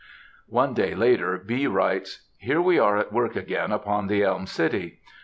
One day later, B. writes:— "Here we are at work again upon the Elm City.